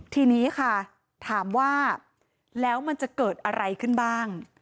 ทีนี้ค่ะถามว่าแล้วมันจะเกิดอะไรขึ้นบ้าง